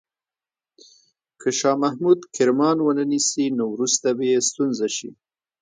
که شاه محمود کرمان ونه نیسي، نو وروسته به یې ستونزه شي.